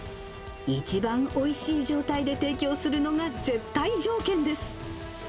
一番おいしい状態で提供するのが絶対条件です。